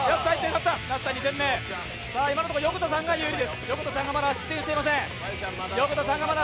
今のところ横田さんが有利です。